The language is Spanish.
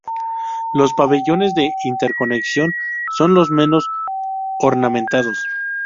Los pabellones de interconexión son los menos ornamentados.